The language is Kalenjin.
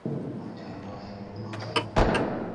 Manyalu ayai ko u notok ra.